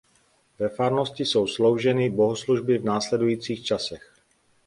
Ve farnosti jsou slouženy bohoslužby v následujících časech.